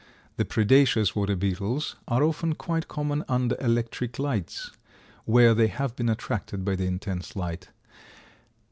The Predaceous water beetles are often quite common under electric lights, where they have been attracted by the intense light.